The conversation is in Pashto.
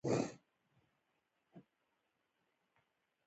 ښامار مخلوق غرقوي نو وېرېږي.